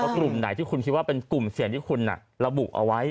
กลุ่มไหนที่คุณคิดว่าเป็นกลุ่มเสี่ยงที่คุณระบุเอาไว้